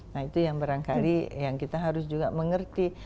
nah itu yang barangkali yang kita harus juga mengerti